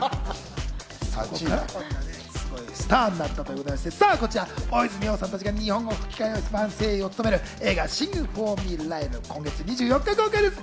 そこからスターになったということで、大泉洋さんたちが日本語吹き替え版声優を務める映画『シング・フォー・ミー、ライル』、今月２４日公開です。